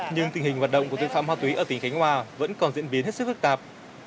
nhưng tình hình hoạt động của tội phạm ma túy ở tỉnh khánh hòa vẫn còn diễn biến hết sức phức tạp